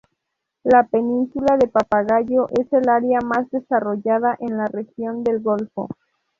La península de Papagayo es el área más desarrollada en la región del golfo.